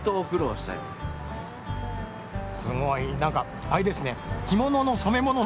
すごいなんかあれですね